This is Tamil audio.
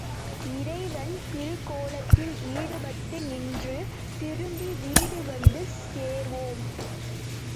இறைவன் திருக்கோலத்தில் ஈடுபட்டு நின்று திரும்பி வீடு வந்து சேர்வோம்.